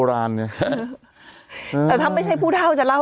ฟังลูกครับ